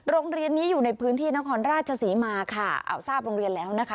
โรงเรียนนี้อยู่ในพื้นที่นครราชศรีมาค่ะเอาทราบโรงเรียนแล้วนะคะ